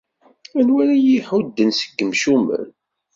Anwa ara iyi-iḥudden seg yimcumen?